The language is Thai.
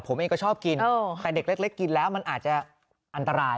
ผมเองก็ชอบกินแต่เด็กเล็กกินแล้วมันอาจจะอันตราย